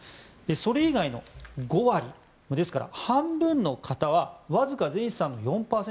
それ以外の５割、ですから半分の方はわずか全資産の４％。